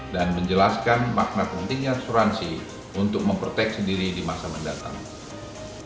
dan menjelaskan makna pentingnya asuransi untuk mempertek sendiri di masa mendatang